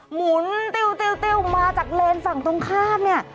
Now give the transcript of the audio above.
หมุนติ้วมาจากเลนส์ฝั่งตรงข้ามเนี่ย